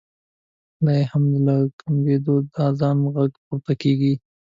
لا یې هم له ګمبدو د اذان غږ پورته کېږي.